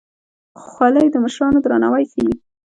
خولۍ د مشرانو درناوی ښيي.